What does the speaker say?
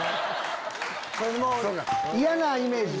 嫌なイメージ。